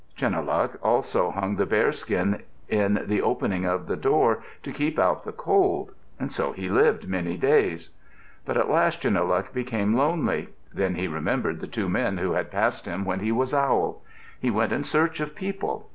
Chunuhluk also hung the bearskin in the opening of the door to keep out the cold. So he lived many days. But at last Chunuhluk became lonely. Then he remembered the two men who had passed him when he was Owl. He went in search of people.